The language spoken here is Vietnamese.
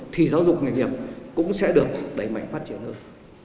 thì giáo dục nghề nghiệp cũng sẽ được đẩy mạnh phát triển hơn